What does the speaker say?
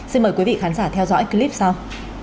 xin mời quý vị khán giả theo dõi clip sau